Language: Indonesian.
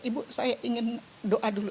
ibu saya ingin doa dulu